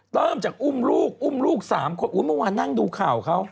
เริ่มจากอุ้มลูกอุ้มลูกสามคนอุ๊ยเมื่อวานนั่งดูข่าวเขา